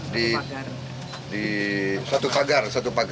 di satu pagar